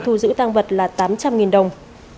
thu giữ tang vật là tám trăm linh đồng